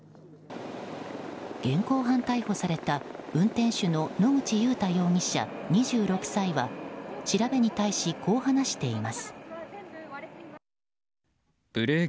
現行犯逮捕された運転手の野口祐太容疑者、２６歳は調べに対し、こう話しています。